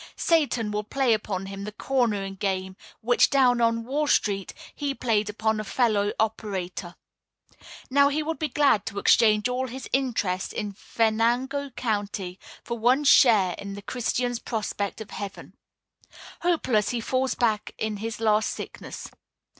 Satan will play upon him the "cornering" game which, down on Wall street, he played upon a fellow operator. Now he would be glad to exchange all his interest in Venango County for one share in the Christian's prospect of heaven. Hopeless, he falls back in his last sickness.